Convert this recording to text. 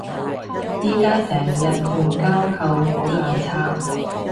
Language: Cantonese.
而家成日用膠扣好難拆